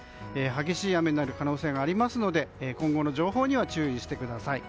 激しい雨になる可能性がありますので今後の情報には注意してください。